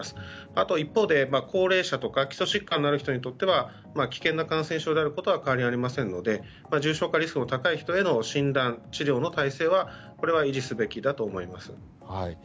あと一方で高齢者とか基礎疾患のある人にとっては危険な感染症であることには変わりがありませんので重症化リスクの高い人への診断、治療の体制はこれは維持すべきだと思います。